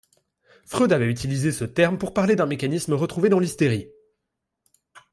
Freud avait utilisé ce terme pour parler d'un mécanisme retrouvé dans l'hystérie.